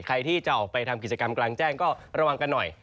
ใครที่จะออกไปทำกิจกรรมกลางแจ้งก็ระวังกันหน่อย